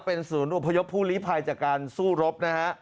เป็นศูนย์อบภยพพูดเนี้ยภายจากการสู้รสนะฮะ